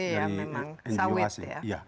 iya memang sawit ya